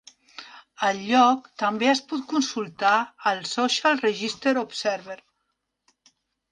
Al lloc també es pot consultar el "Social Register Observer".